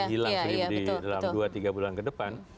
hilang di dalam dua tiga bulan ke depan